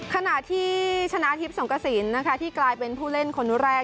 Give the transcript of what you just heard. ขณะที่ชนะทิพย์สงกระสินนะคะที่กลายเป็นผู้เล่นคนแรก